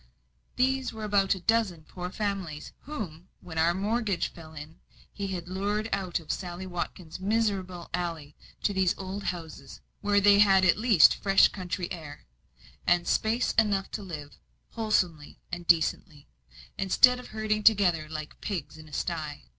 These were about a dozen poor families, whom, when our mortgage fell in, he had lured out of Sally Watkins' miserable alley to these old houses, where they had at least fresh country air, and space enough to live wholesomely and decently, instead of herding together like pigs in a sty.